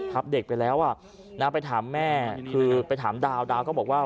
ทับเด็กไปแล้วอ่ะน้าไปถามแม่คือไปถามดาวก็บอกว่า